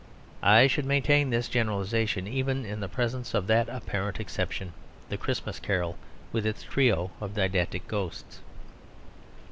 I should maintain this generalisation even in the presence of that apparent exception The Christmas Carol with its trio of didactic ghosts.